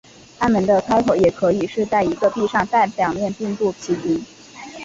暗门的开口也可以是在一个壁上但表面并不齐平。